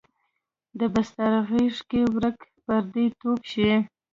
د بستر غیږ کې ورک پردی توب شي